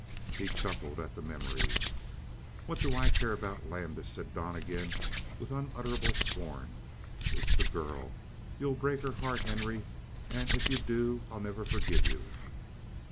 He chuckled at the memory. "What do I care about Landis?" said Donnegan with unutterable scorn. "It's the girl. You'll break her heart, Henry; and if you do I'll never forgive you."